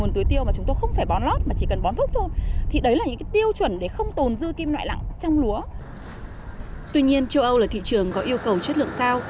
tuy nhiên châu âu là thị trường có yêu cầu chất lượng cao